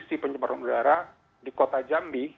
kondisi pencemaran udara di kota jambi